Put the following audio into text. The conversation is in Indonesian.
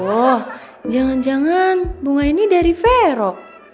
loh jangan jangan bunga ini dari vero